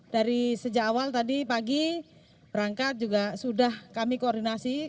dari sejak awal tadi pagi berangkat juga sudah kami koordinasi